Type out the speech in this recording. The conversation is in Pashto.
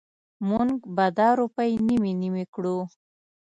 مونږ به دا روپۍ نیمې نیمې کړو.